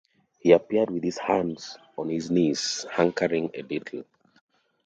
He appeared with his hands on his knees, hunkering a little.